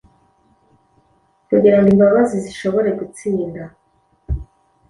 Kugira ngo imbabazi zishobore gutsinda.